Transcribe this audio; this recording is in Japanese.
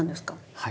はい。